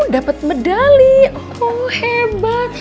dapat medali hebat